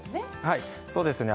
はいそうですね